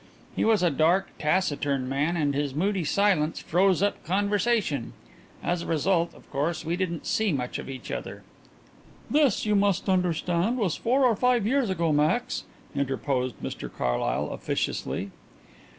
He was a dark, taciturn man, and his moody silence froze up conversation. As a result, of course, we didn't see much of each other." "This, you must understand, was four or five years ago, Max," interposed Mr Carlyle officiously.